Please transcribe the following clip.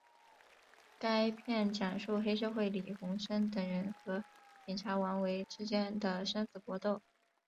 该片讲述黑社会李鸿声等人和警察王维之间的生死搏斗。